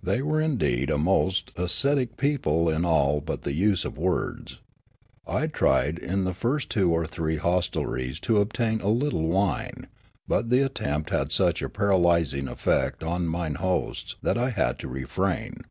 They were indeed a most ascetic people in all but the use of words. I tried in the first two or three hostelries to obtain a little wine ; but the attempt had such a paralj'sing effect on mine hosts that I had to refrain.